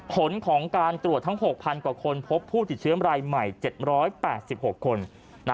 ผลของการตรวจทั้ง๖๐๐กว่าคนพบผู้ติดเชื้อรายใหม่๗๘๖คน